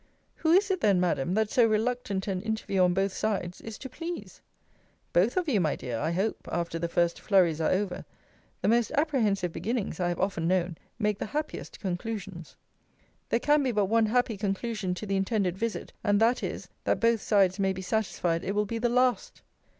Who is it, then, Madam, that so reluctant an interview on both sides, is to please? Both of you, my dear, I hope, after the first flurries are over. The most apprehensive beginnings, I have often known, make the happiest conclusions. There can be but one happy conclusion to the intended visit; and that is, That both sides may be satisfied it will be the last.